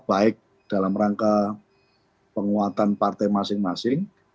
baik dalam rangka penguatan partai masing masing